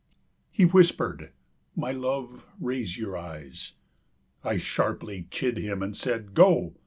36 He whispered, "My love, raise your eyes." I sharply chid him, and said "Go!"